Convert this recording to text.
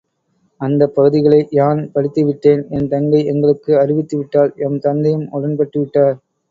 அந்தப்பகுதிகளை யான் படித்து விட்டேன் என் தங்கை எங்களுக்கு அறிவித்துவிட்டாள் எம் தந்தையும் உடன்பட்டு விட்டார்.